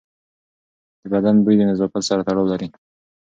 د بدن بوی د نظافت سره تړاو لري.